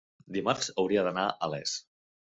dimarts hauria d'anar a Les.